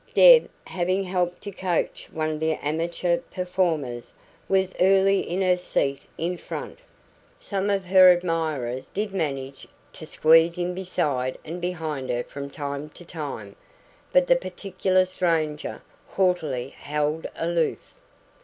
Deb, having helped to coach one of the amateur performers, was early in her seat in front. Some of her admirers did manage to squeeze in beside and behind her from time to time, but the particular stranger haughtily held aloof.